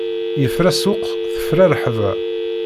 Yefra ssuq tefra ṛṛeḥba!